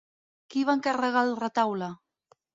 Qui va encarregar el retaule?